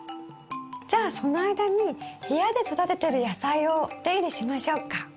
じゃあその間に部屋で育ててる野菜をお手入れしましょうか。